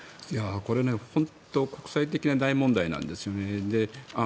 これね本当に国際的な大問題なんです。